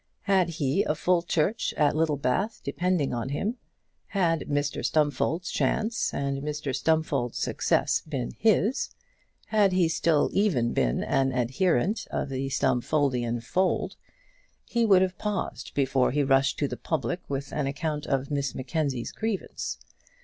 Had he a full church at Littlebath depending on him, had Mr Stumfold's chance and Mr Stumfold's success been his, had he still even been an adherent of the Stumfoldian fold, he would have paused before he rushed to the public with an account of Miss Mackenzie's grievance.